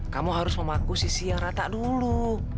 kamu harus memaku sisi yang rata dulu